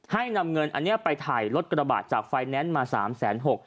ให้นำเงินอันนี้ไปไทยลดกระบาดจากไฟแนนซ์มา๓๖๐๐บาท